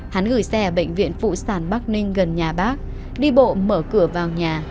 hắn gửi xe ở bệnh viện phụ sản bắc ninh gần nhà bác đi bộ mở cửa vào nhà